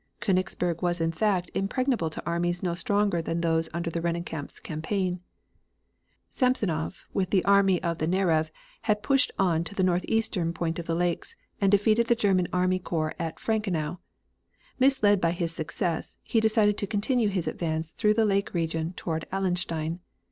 Koenigsberg was in fact impregnable to armies no stronger than those under Rennenkampf's command. Samsonov with the Army of the Narev, had pushed on to the northeastern point of the lakes, and defeated the German army corps at Frankenau. Misled by his success, he decided to continue his advance through the lake region toward Allenstein.